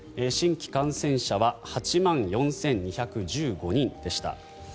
新規感染者は８万４２１５人でした。